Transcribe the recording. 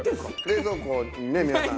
冷蔵庫にね皆さん。